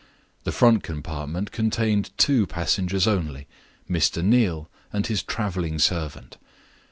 The front compartment contained two passengers only Mr. Neal and his traveling servant.